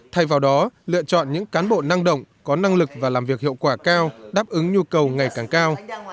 thay vào đó lựa chọn những cán bộ năng động có năng lực và làm việc hiệu quả cao đáp ứng nhu cầu ngày càng cao